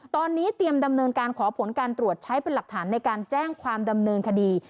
ตอนนี้เตรียมดำเนินการขอผลการตรวจใช้เป็นหลักฐานในการแจ้งความดำเนินคดี